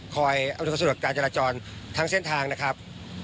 คอยอังกฎเรื่องสุดการณ์หลักจรทั้งแสนทางนะครับ